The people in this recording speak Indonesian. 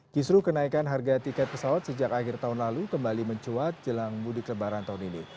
kisruh kenaikan harga tiket pesawat sejak akhir tahun lalu kembali mencuat jelang mudik lebaran tahun ini